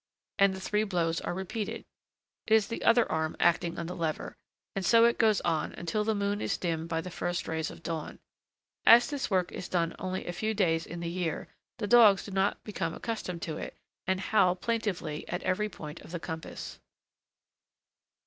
And the three blows are repeated; it is the other arm acting on the lever, and so it goes on until the moon is dimmed by the first rays of dawn. As this work is done only a few days in the year, the dogs do not become accustomed to it, and howl plaintively at every point of the compass.